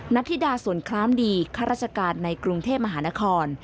ธิดาสวนคล้ามดีข้าราชการในกรุงเทพมหานคร